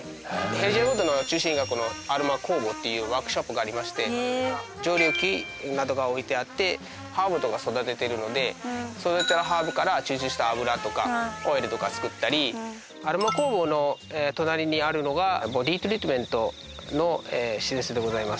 ヘルジアン・ウッドの中心がこのアロマ工房っていうワークショップがありましてへえ蒸留機などが置いてあってハーブとか育ててるので育てるハーブから抽出した油とかオイルとか作ったりアロマ工房の隣にあるのがボディートリートメントの施設でございます